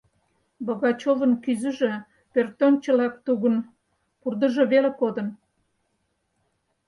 Богачевын кӱзыжӧ пӧртӧнчылнак тугын, вурдыжо веле кодын.